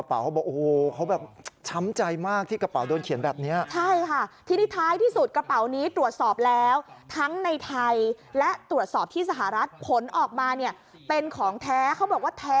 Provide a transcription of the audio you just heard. ผลออกมาเป็นของแท้เขาบอกว่าแท้ยันเงา